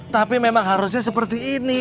tapi memang harusnya seperti ini